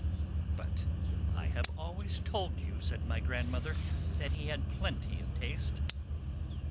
"But I have always told you," said my grandmother, "that he had plenty of taste."